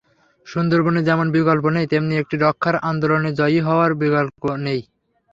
সুন্দরবনের যেমন বিকল্প নেই, তেমনি এটি রক্ষার আন্দোলনে জয়ী হওয়ারও বিকল্প নেই।